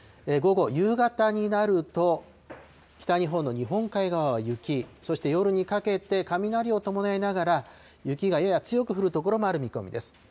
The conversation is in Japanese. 午後、夕方になると、北日本の日本海側は雪、そして夜にかけて雷を伴いながら、雪がやや強く降る所もある見込みです。